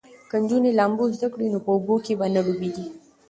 که نجونې لامبو زده کړي نو په اوبو کې به نه ډوبیږي.